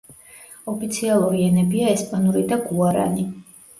ოფიციალური ენებია ესპანური და გუარანი.